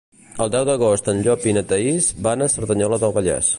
El deu d'agost en Llop i na Thaís van a Cerdanyola del Vallès.